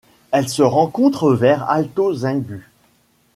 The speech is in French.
Elle se rencontre vers Alto Xingú.